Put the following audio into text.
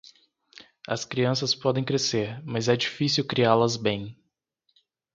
As crianças podem crescer, mas é difícil criá-las bem.